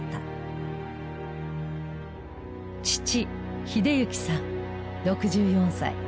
父英幸さん６４歳。